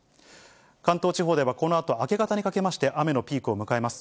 関東地方ではこのあと明け方にかけまして、雨のピークを迎えます。